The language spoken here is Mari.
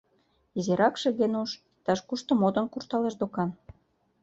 Изиракше, Генуш, иктаж-кушто модын куржталеш докан.